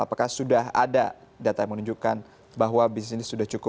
apakah sudah ada data yang menunjukkan bahwa bisnis ini sudah cukup